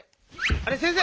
あれ⁉先生！